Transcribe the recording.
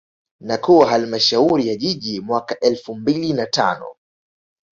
Na kuwa Halmashauri ya Jiji mwaka elfu mbili na tano